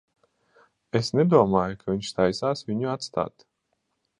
Es nedomāju, ka viņš taisās viņu atstāt.